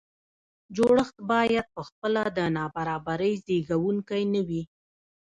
جوړښت باید په خپله د نابرابرۍ زیږوونکی نه وي.